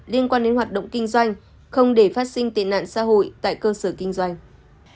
liên quan đến hoạt động kinh doanh không để phát sinh tệ nạn xã hội tại cơ sở kinh doanh